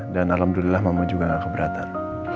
dan alhamdulillah mama juga gak keberatan